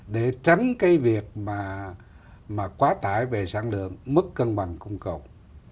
để tránh cái việc mà quá tải về sản lượng mức cân bằng công cộng